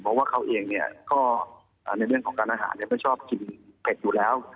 เพราะว่าเขาเองเนี่ยก็ในเรื่องของการอาหารไม่ชอบกินเผ็ดอยู่แล้ว